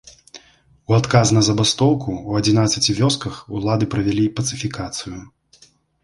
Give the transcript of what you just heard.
У адказ на забастоўку ў адзінаццаці вёсках улады правялі пацыфікацыю.